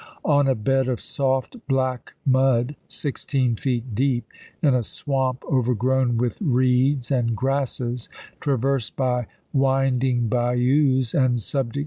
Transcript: On a bed of soft black mud, sixteen feet deep, in a swamp overgrown with reeds and grasses, traversed by winding bayous, and subject Vol.